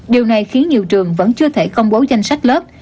điều này khiến nhiều trường vẫn chưa thể công bố danh sách lớp